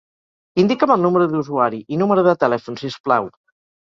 Indica'm el número d'usuari i número de telèfon, si us plau.